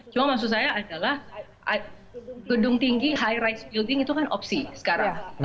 cuma maksud saya adalah gedung tinggi high ride building itu kan opsi sekarang